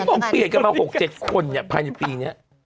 ห้องตรงเปลี่ยนกับ๖๗คนอย่างนี้คือภายในปีนี้